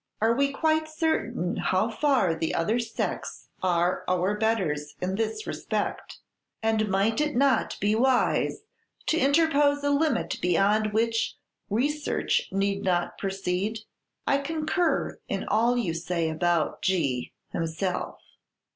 Are we quite certain how far the other sex are our betters in this respect; and might it not be wise to interpose a limit beyond which research need not proceed? "I concur in all you say about G himself.